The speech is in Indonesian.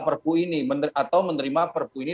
perpu ini atau menerima perpu ini